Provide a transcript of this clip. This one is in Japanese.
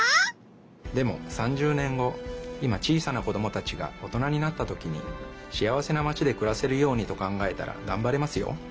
でも３０年後今小さな子どもたちが大人になったときにしあわせなマチでくらせるようにと考えたらがんばれますよ。